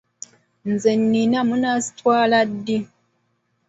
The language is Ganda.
Ze nnina munaazitwala ddi?